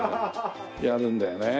やるんだよねえ。